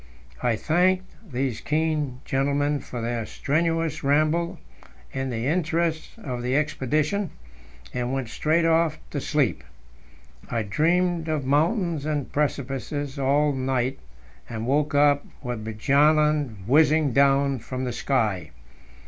I thanked these keen gentlemen for their strenuous ramble in the interests of the expedition, and went straight off to sleep. I dreamed of mountains and precipices all night, and woke up with Bjaaland whizzing down from the sky.